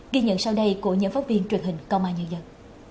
ghi nhận sau đây của những phát viên truyền hình công an nhân dân